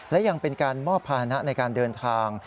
และยังเป็นการมอบภาษณะในการเดินทาง